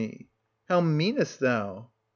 How meanest thou ?